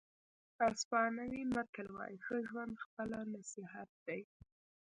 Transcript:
اسپانوي متل وایي ښه ژوند خپله نصیحت دی.